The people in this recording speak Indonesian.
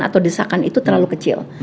atau desakan itu terlalu kecil